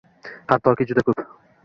Hattoki juda ko'p.